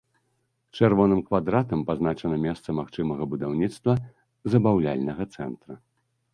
Чырвоным квадратам пазначана месца магчымага будаўніцтва забаўляльнага цэнтра.